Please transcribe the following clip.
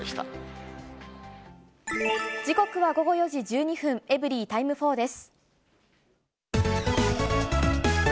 時刻は午後４時１２分、エブリィタイム４です。